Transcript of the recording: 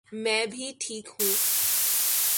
میں بھی ٹھیک ہوں